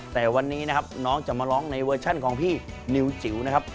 แต่วันนี้นะครับน้องจะมาร้องในเวอร์ชันของพี่นิวจิ๋วนะครับ